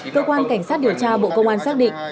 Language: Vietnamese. cơ quan cảnh sát điều tra bộ công an xác định